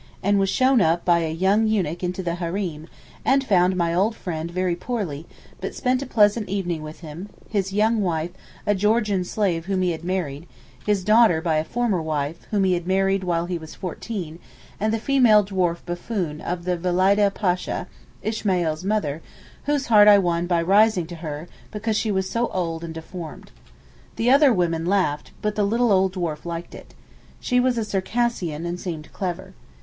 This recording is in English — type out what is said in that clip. —and was shown up by a young eunuch into the hareem, and found my old friend very poorly, but spent a pleasant evening with him, his young wife—a Georgian slave whom he had married,—his daughter by a former wife—whom he had married when he was fourteen, and the female dwarf buffoon of the Valideh Pasha (Ismail's mother) whose heart I won by rising to her, because she was so old and deformed. The other women laughed, but the little old dwarf liked it. She was a Circassian, and seemed clever.